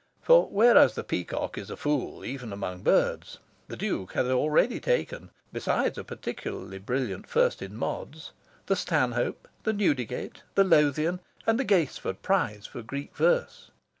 For, whereas the peacock is a fool even among birds, the Duke had already taken (besides a particularly brilliant First in Mods) the Stanhope, the Newdigate, the Lothian, and the Gaisford Prize for Greek Verse.